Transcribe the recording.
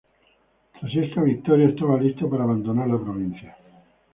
Tras esta victoria estaba listo para abandonar la provincia.